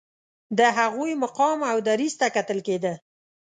د هغوی مقام او دریځ ته کتل کېده.